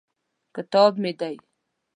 کتاب مې دی.